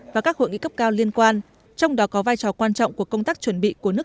và các hội nghị cấp cao liên quan trong đó có vai trò quan trọng của công tác chuẩn bị của nước